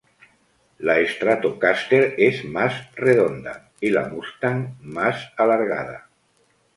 La Stratocaster es más "redonda" y la Mustang más "alargada".